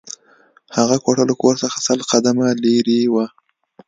هغه کوټه له کور څخه سل قدمه لېرې وه